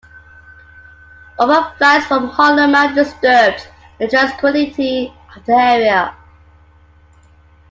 Overflights from Holloman disturbed the tranquility of the area.